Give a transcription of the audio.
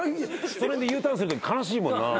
その辺でＵターンするとき悲しいもんな。